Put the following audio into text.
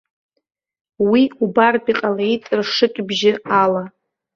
Уи убартә иҟалеит ршыкьбжьы ала.